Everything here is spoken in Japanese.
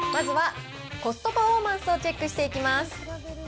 まずはコストパフォーマンスをチェックしていきます。